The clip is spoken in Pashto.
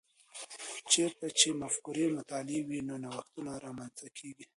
چیرته چي مفکورې مطالعې وي، نو نوښتونه رامنځته کیږي؟